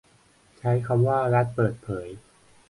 ใช้คำว่ารัฐเปิดเผย